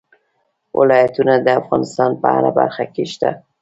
ولایتونه د افغانستان په هره برخه کې شته.